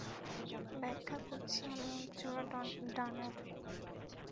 ব্যাখ্যা খুঁজছি আমি এক জোড়া ডানার।